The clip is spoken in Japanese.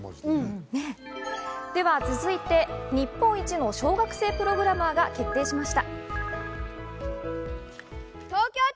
では続いて日本一の小学生プログラマーが決定しました。